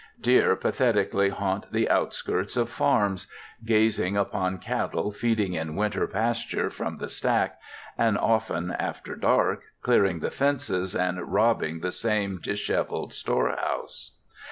Deer pathetically haunt the outskirts of farms, gazing upon cattle feeding in winter pasture from the stack, and often, after dark, clearing the fences and robbing the same disheveled storehouse.